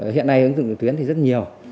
hiện nay ứng dụng trực tuyến thì rất nhiều